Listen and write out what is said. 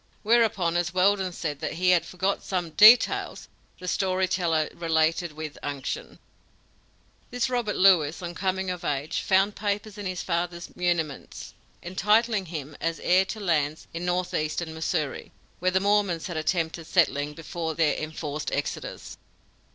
Whereupon, as Weldon said that he had forgot some details, the story teller related with unction: "This Robert Lewis, on coming of age, found papers in his father's muniments, entitling him as heir to lands in northeastern Missouri, where the Mormons had attempted settling before their enforced exodus.